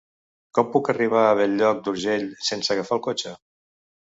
Com puc arribar a Bell-lloc d'Urgell sense agafar el cotxe?